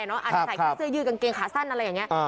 อาจจะใส่แค่เสื้อยืดกางเกงขาสั้นอะไรอย่างนี้